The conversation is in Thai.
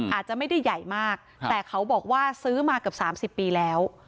อาจจะไม่ได้ใหญ่มากแต่เขาบอกว่าซื้อมาเกือบ๓๐ปีแล้ว